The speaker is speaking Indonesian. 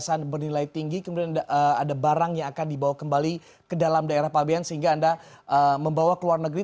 perhiasan bernilai tinggi kemudian ada barang yang akan dibawa kembali ke dalam daerah pabian sehingga anda membawa keluar negeri